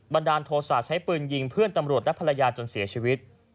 ดาลโทษะใช้ปืนยิงเพื่อนตำรวจและภรรยาจนเสียชีวิต